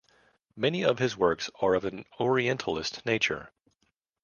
Many of his works are of an Orientalist nature.